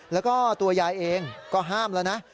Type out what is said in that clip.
แล้วก็ตัวยายเองก็ห้ามแล้วนะ